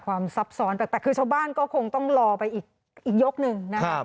ซับซ้อนแต่คือชาวบ้านก็คงต้องรอไปอีกยกหนึ่งนะครับ